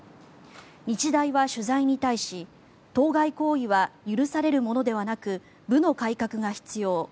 日大は取材に対し当該行為は許されるものではなく部の改革が必要